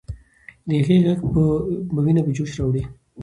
د هغې ږغ به ويني په جوش راوړي.